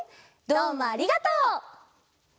どうもありがとう。